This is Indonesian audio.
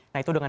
nah itu dengan